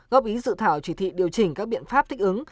góp ý dự thảo chỉ thị điều chỉnh các biện pháp thích ứng